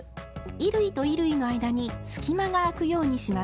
衣類と衣類の間に隙間があくようにします。